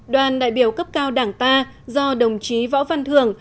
đoàn đại biểu cấp cao đảng ta do đồng chí võ văn thường